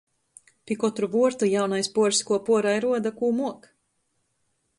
Pi kotru vuortu jaunais puors kuop uorā i ruoda, kū muok.